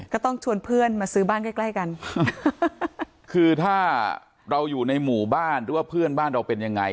ก็ต้องชวนเพื่อนมาซื้อบ้านใกล้ใกล้กันคือถ้าเราอยู่ในหมู่บ้านหรือว่าเพื่อนบ้านเราเป็นยังไง